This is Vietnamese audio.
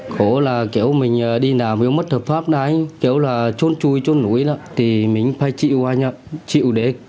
khổ là mình đi nào mới mất thợ pháp trốn chui trốn núi thì mình phải chịu anh ạ chịu đế